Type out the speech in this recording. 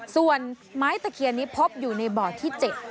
ส่วนไม้ตะเคียนนี้พบอยู่ในบ่อที่๗